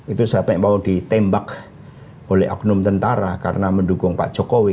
itu sampai mau ditembak oleh oknum tentara karena mendukung pak jokowi